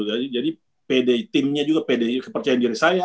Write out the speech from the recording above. jadi jadi pede timnya juga pede kepercayaan diri saya